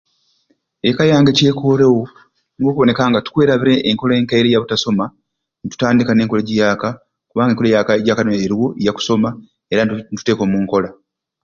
Ekka yange kyekorewo niko okubona nga tukwerabira enkola egyikayire eya butasoma ne tutandika ne nkola egyiyaka kubanga enkola egyiyaka niyo eriwo yakusoma era netugiteka omunkola